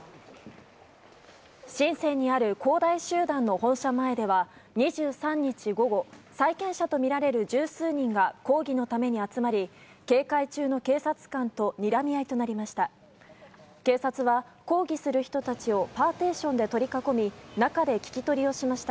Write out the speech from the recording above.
シンセンにある恒大集団の本社前では２３日午後債権者とみられる十数人が抗議のために集まり警戒中の警察官とにらみ合いとなりました。